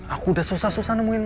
aku udah susah susah nemuin